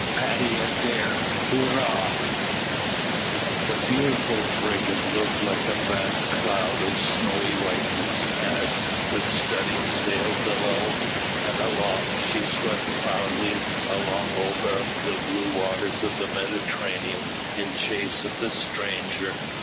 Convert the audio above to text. PADDY ADAIR, HURRAH! The beautiful frigate looked like a vast cloud of snowy whiteness, as, with studding sails alow and aloft, she swept proudly along over the blue waters of the Mediterranean in chase of the stranger.